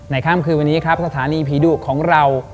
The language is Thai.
ข้ามคืนวันนี้ครับสถานีผีดุของเรา